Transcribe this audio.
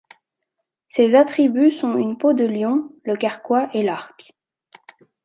Ses attributs sont une peau de lion, le carquois et l'arc.